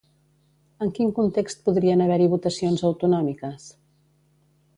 En quin context podrien haver-hi votacions autonòmiques?